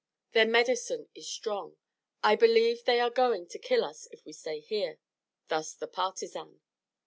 Their medicine is strong. I believe they are going to kill us all if we stay here." Thus the partisan.